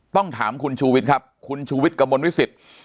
ต้องถามคุณชูวิทย์ครับคุณชูวิทย์กระมวลวิสิต